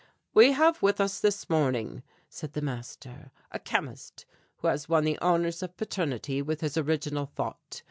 "We have with us this morning," said the master, "a chemist who has won the honours of paternity with his original thought.